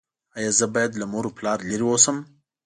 ایا زه باید له مور او پلار لرې اوسم؟